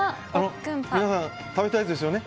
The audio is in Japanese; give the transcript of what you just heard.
皆さん、食べたいですよね。